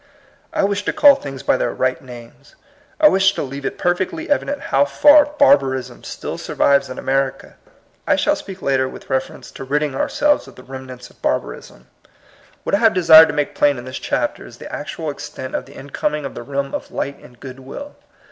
I wish to call things by their right names. I wish to leave it perfectly evident how far barbarism still survives in America. I shall speak later with reference to ridding ourselves of the remnants of barbarism. What I have CERTAIN CLEAR FACTS. 81 desired to make plain in this chapter is the actual extent of the incoming of the realm of light and good will.